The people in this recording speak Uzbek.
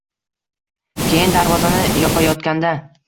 …Keyin darvozani yopayotganda